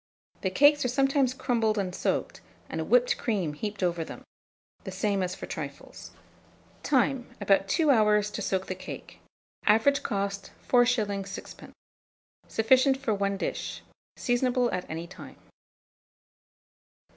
The cakes are sometimes crumbled and soaked, and a whipped cream heaped over them, the same as for trifles. Time. About 2 hours to soak the cake. Average cost, 4s. 6d. Sufficient for 1 dish. Seasonable at any time.